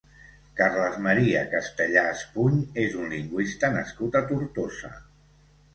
Carles Maria Castellà Espuny és un lingüista nascut a Tortosa.